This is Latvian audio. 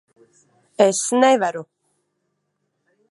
Es nevaru.